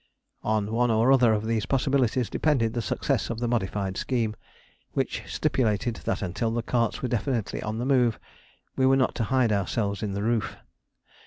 On one or other of these possibilities depended the success of the modified scheme, which stipulated that until the carts were definitely on the move we were not to hide ourselves in the roof.